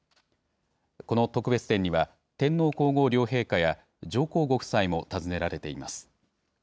この特別展には、天皇皇后両陛下や、上皇ご夫妻も訪ねられています。